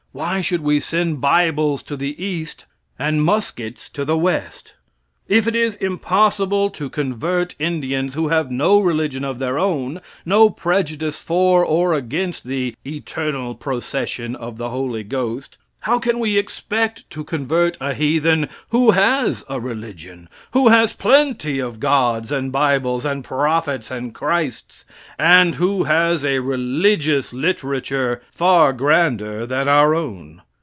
Why should we send bibles to the East and muskets to the West? If it is impossible to convert Indians who have no religion of their own; no prejudice for or against the "eternal procession of the Holy Ghost," how can we expect to convert a heathen who has a religion; who has plenty of gods and bibles and prophets and Christs, and who has a religious literature far grander than our own?